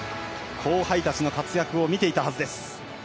後輩たちの活躍を見ていたはずです。